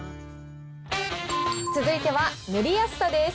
続いては塗りやすさです。